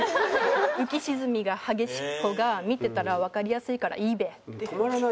「浮き沈みが激しい方が見てたらわかりやすいからいいべ」って。